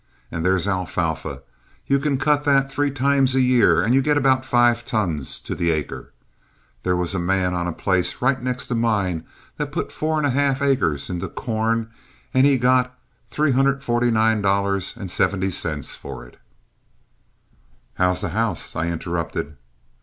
And there's alfalfa. You can cut that three times a year, and you get about five tons to the acre. There was a man on a place right next to mine that put four and a half acres into corn and he got $349.70 for it." "How's the house?" I interrupted.